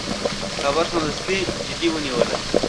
خبره سمدستي جدي ونیوله.